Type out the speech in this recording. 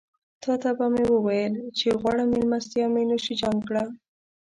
تاته به مې وويل چې غوړه مېلمستيا مې نوشيجان کړه.